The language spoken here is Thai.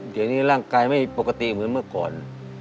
เดี๋ยวนี้ร่างกายไม่ปกติเหมือนเมื่อก่อน